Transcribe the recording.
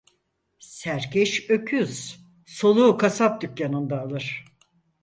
Serkeş öküz soluğu kasap dükkanında alır.